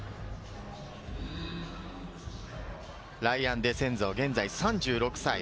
ライアン・デセンゾ、現在３６歳。